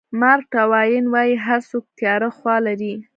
مارک ټواین وایي هر څوک تیاره خوا لري.